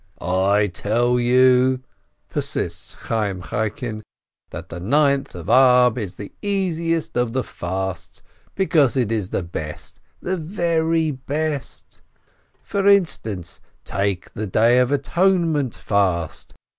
"I tell you," persists Chayyim Chaikin, "that the Ninth of Ab is the easiest of the fasts, because it is the best, the very best ! 148 SHOLOM ALECHEM "For instance, take the Day of Atonement fast!